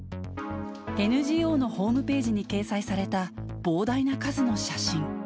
ＮＧＯのホームページに掲載された、膨大な数の写真。